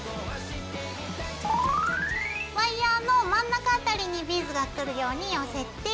ワイヤーの真ん中辺りにビーズがくるように寄せて。